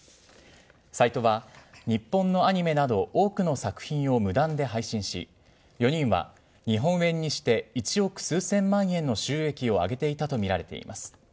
サイトは、日本のアニメなど多くの作品を無断で配信し、４人は、日本円にして１億数千万円の収益を上げていたと見られています。